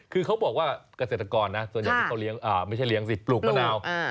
คือเขาบอกว่ากเกษตรกรนะส่วนใหญ่ที่เขาปลูกมะนาว